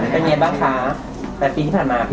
เป็นไงบ้างคะ๘ปีที่ผ่านมา